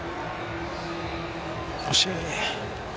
惜しい！